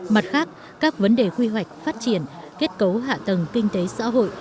mặt khác các vấn đề quy hoạch phát triển kết cấu hạ tầng kinh tế xã hội